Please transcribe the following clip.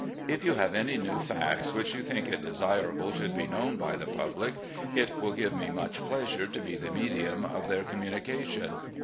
If you have any new facts which you think it desirable should be known by the public, it will give me much pleasure to be the medium of their communi cation.